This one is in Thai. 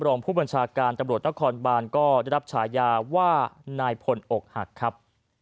รองผู้บัญชาการตำรวจนครบานก็ได้รับฉายาว่านายพลอกหักครับ